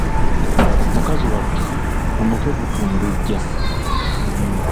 Mukazi wattu omutwe gutundujja.